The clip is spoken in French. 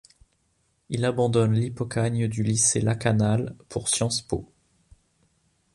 Il abandonne l'hypokhâgne du lycée Lakanal pour Sciences-po.